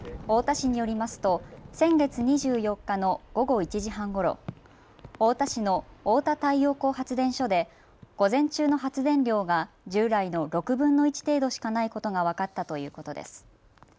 太田市によりますと先月２４日の午後１時半ごろ、太田市のおおた太陽光発電所で午前中の発電量が従来の６分の１程度しかないことが分かったということです。